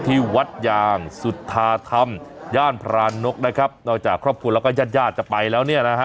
ที่วัดยางสุธาธรรมย่านพรานนกนะครับนอกจากครอบครัวแล้วก็ญาติญาติจะไปแล้วเนี่ยนะฮะ